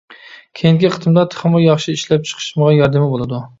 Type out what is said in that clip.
كېيىنكى قېتىمدا تېخىمۇ ياخشى ئىشلەپ چىقىشىمغا ياردىمى بولىدۇ.